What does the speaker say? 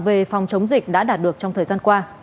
về phòng chống dịch đã đạt được trong thời gian qua